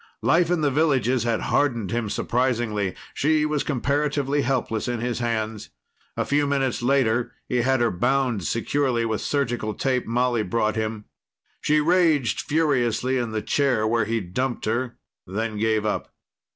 Life in the villages had hardened him surprisingly. She was comparatively helpless in his hands. A few minutes later, he had her bound securely with surgical tape Molly brought him. She raged furiously in the chair where he'd dumped her, then gave up.